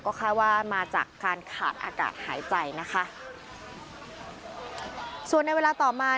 คาดว่ามาจากการขาดอากาศหายใจนะคะส่วนในเวลาต่อมา